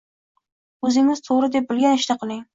O’zingiz to’g’ri deb bilgan ishni qiling